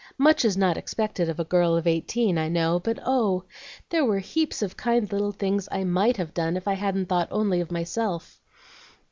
Much is not expected of a girl of eighteen, I know; but oh! there were heaps of kind little things I MIGHT have done if I hadn't thought only of myself.